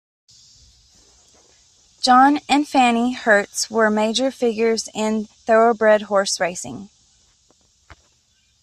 John and Fannie Hertz were major figures in Thoroughbred horse racing.